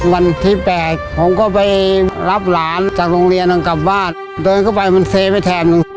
วันที่๘ผมก็ไปรับหลานจากโรงเรียนกลับบ้านเดินเข้าไปมันเซไปแทนหนึ่ง